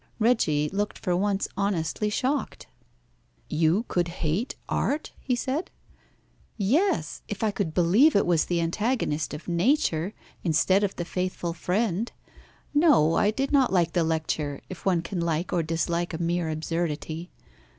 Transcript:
Reggie looked for once honestly shocked. "You could hate art?" he said. "Yes, if I could believe that it was the antagonist of Nature, instead of the faithful friend. No, I did not like the lecture, if one can like or dislike a mere absurdity.